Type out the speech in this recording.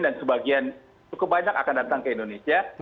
dan sebagian cukup banyak akan datang ke indonesia